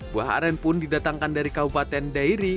buah aren pun didatangkan dari kabupaten dairi